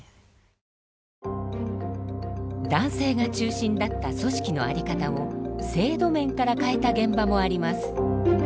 男性が中心だった組織の在り方を制度面から変えた現場もあります。